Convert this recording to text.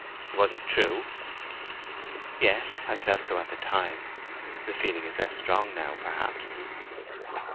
"Was it true?" "Yes, I felt so at the time. The feeling is less strong now, perhaps."